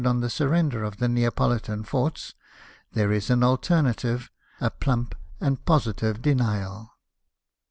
on the surrender of the Nea politan forts, there is an alternative — a plump and positive denial.